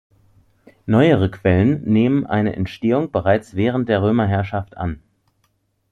Neuere Quellen nehmen eine Entstehung bereits während der Römerherrschaft an.